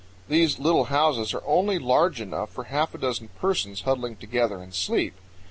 These little houses are only large enough for half a dozen persons huddling together in sleep.